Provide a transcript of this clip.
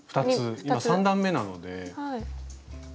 ２つ今３段めなので。